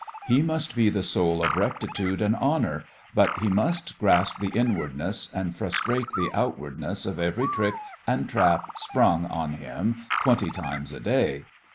He must be the soul of rectitude and honour, but he must grasp the inwardness and frustrate the outwardness of every trick and trap sprung on him twenty times a day.